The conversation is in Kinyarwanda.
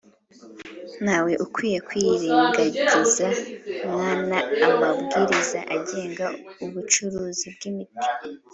ntawe ukwiye kwirengagiza nkana amabwiriza agenga ubucuruzi bw’imiti